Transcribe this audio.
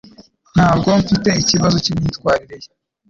Ntabwo mfite ikibazo cyimyitwarire ye.